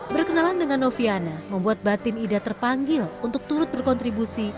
perkenalan dengan novi anah membuat batin ida terpanggil untuk turut berkontribusi